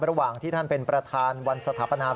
ระหว่างที่ท่านเป็นประธานวันสถาปนาม